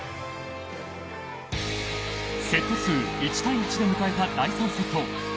セット数１対１で迎えた第３セット。